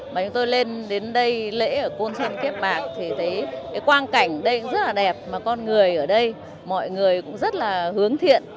mà chúng tôi lên đến đây lễ ở côn sinh kiếp bạc thì thấy cái quan cảnh đây cũng rất là đẹp mà con người ở đây mọi người cũng rất là hướng thiện